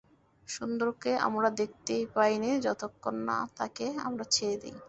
সুন্দরকে আমরা দেখতেই পাই নে যতক্ষণ না তাকে আমরা ছেড়ে দিই।